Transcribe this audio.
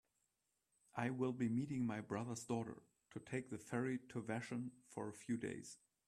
I will be meeting my brother's daughter to take the ferry to Vashon for a few days.